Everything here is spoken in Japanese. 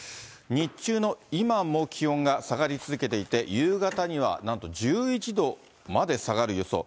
日中の今も気温が下がり続けていて、夕方にはなんと１１度まで下がる予想。